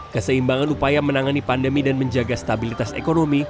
keseimbangan upaya menangani pandemi dan menjaga stabilitas ekonomi